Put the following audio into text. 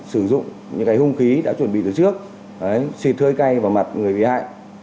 sử dụng những hung khí đã chuẩn bị từ trước xịt hơi cay vào mặt người bị hại